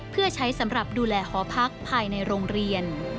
เพื่อใช้สำหรับดูแลหอพักภายในโรงเรียน